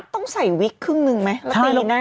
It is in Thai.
ต้องใส่วิกครึ่งหนึ่งไหมแล้วตีได้